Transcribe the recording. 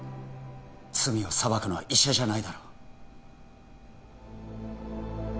罪を裁くのは医者じゃないだろ